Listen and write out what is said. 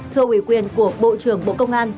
thưa ủy quyền của bộ trưởng bộ công an